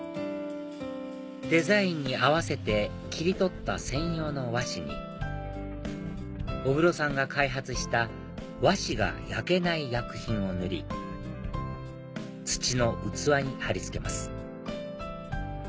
デザインに合わせて切り取った専用の和紙に小黒さんが開発した和紙が焼けない薬品を塗り土の器に張り付けます